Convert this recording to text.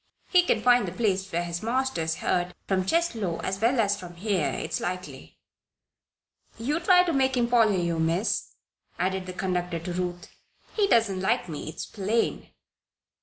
He can find the place where his master is hurt, from Cheslow as well as from here, it's likely." "You try to make him follow you, Miss," added the conductor to Ruth. "He doesn't like me, it's plain."